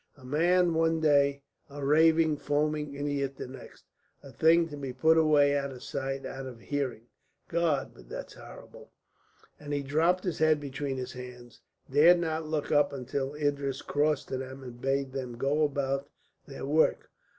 A man one day, a raving, foaming idiot the next a thing to be put away out of sight, out of hearing. God, but that's horrible!" and he dropped his head between his hands, and dared not look up until Idris crossed to them and bade them go about their work.